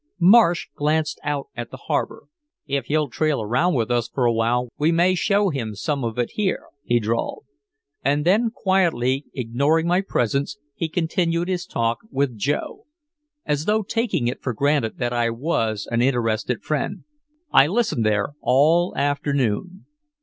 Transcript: Marsh glanced out at the harbor. "If he'll trail around with us for a while we may show him some of it here," he drawled. And then quietly ignoring my presence he continued his talk with Joe, as though taking it for granted that I was an interested friend. I listened there all afternoon.